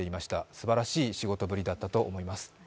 すばらしい仕事ぶりだったと思います。